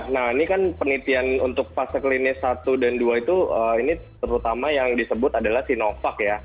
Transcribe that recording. nah ini kan penelitian untuk fase klinis satu dan dua itu ini terutama yang disebut adalah sinovac ya